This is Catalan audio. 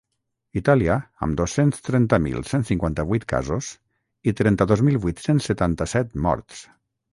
Itàlia, amb dos-cents trenta mil cent cinquanta-vuit casos i trenta-dos mil vuit-cents setanta-set morts.